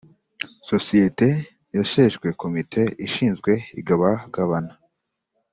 sosiyete yasheshwe komite ishinzwe igabagabana